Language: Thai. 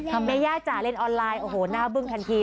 ถ้าเมย่าจะเล่นออนไลน์โอ้โหหน้าเบื้องทันที